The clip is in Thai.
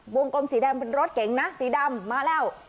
กลมสีแดงเป็นรถเก๋งนะสีดำมาแล้ว